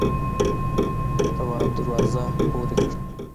تواب دروازه پورې کړه.